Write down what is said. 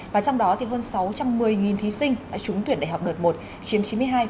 và trong đó thì hơn sáu trăm một mươi thí sinh đã trúng tuyển đại học đợt một chiếm chín mươi hai